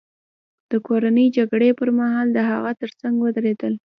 د کورنۍ جګړې پرمهال د هغه ترڅنګ ودرېدل.